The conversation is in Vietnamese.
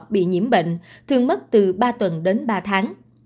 nhiều người bị nhiễm bệnh thường mất từ ba tuần đến ba tháng